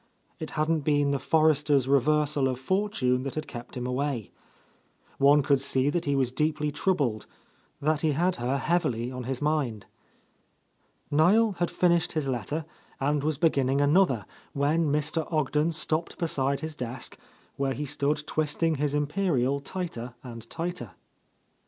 It hadn't been the Forresters' reversal of fortune that had kept him away. One could see that he was deeply troubled, that he had her heavily on his mind. Niel had finished his letter and was beginning another, when Mr. Ogden stopped beside his desk, where he stood twisting his imperial tighter and tighter.